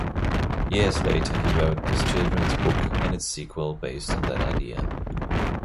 Years later he wrote this children's book and its sequel based on that idea.